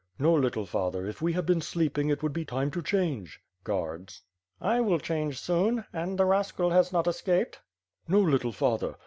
"No, little father, if we had been sleeping it would be time to change (guards)." "1 will change soon. And the rascal has not escaped?'' "No, little father!